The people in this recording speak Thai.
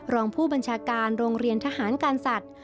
รองผู้บัญชาการโรงเรียนทหารการสัตว์